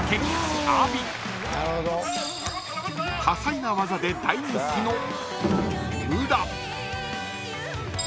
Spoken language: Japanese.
［多彩な技で大人気の］